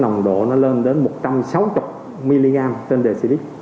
nó hơn một trăm bảy mươi mg trên một dl